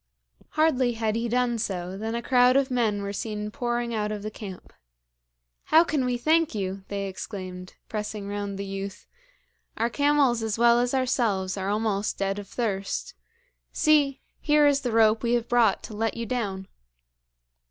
Hardly had he done so than a crowd of men were seen pouring out of the camp. 'How can we thank you!' they exclaimed, pressing round the youth. 'Our camels as well as ourselves are almost dead of thirst. See! here is the rope we have brought to let you down.'